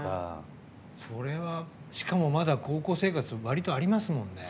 しかも、まだ高校生活割とありますもんね。